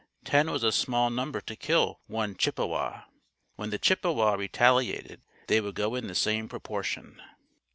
Ten was a small number to kill one Chippewa. When the Chippewa retaliated they would go in the same proportion.